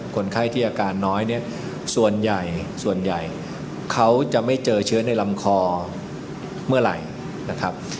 คนไข้ที่อาการน้อยเนี่ยส่วนใหญ่ส่วนใหญ่เขาจะไม่เจอเชื้อในลำคอเมื่อไหร่นะครับ